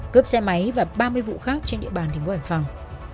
cướp xe máy và ba mươi vụ khác trên địa bàn thành phố hải phòng